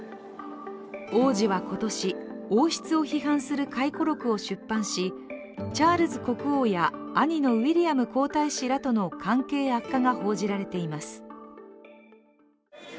王子は今年、王室を批判する回顧録を出版しチャールズ国王や兄のウィリアム皇太子らとの関係悪化が報じられています。